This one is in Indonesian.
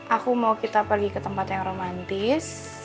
aku mau kita pergi ke tempat yang romantis